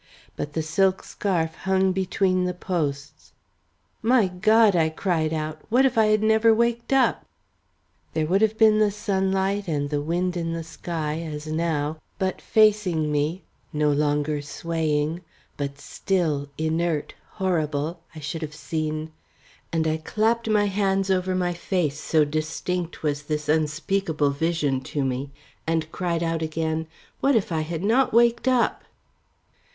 But the silk scarf hung between the posts. "My God," I cried out. "What if I had never waked up!" There would have been the sunlight and the wind in the sky as now, but, facing me, no longer swaying, but still, inert, horrible, I should have seen and I clapped my hands over my face, so distinct was this unspeakable vision to me, and cried out again: "What if I had not waked up!